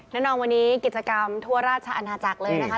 แน่นอนวันนี้กิจกรรมทั่วราชอาณาจักรเลยนะคะ